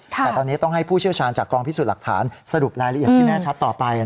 แต่ตอนนี้ต้องให้ผู้เชี่ยวชาญจากกองพิสูจน์หลักฐานสรุปรายละเอียดที่แน่ชัดต่อไป